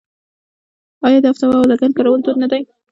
آیا د افتابه او لګن کارول دود نه دی؟